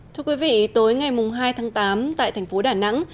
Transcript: thưa quý vị tối ngày hai tháng tám tại thành phố đà nẵng